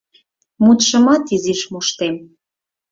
— Мутшымат изиш моштем.